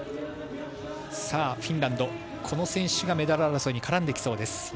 フィンランド、この選手がメダル争いに絡んできそうです。